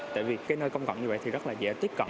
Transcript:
tại vì nơi công cộng như vậy rất dễ tiếp cận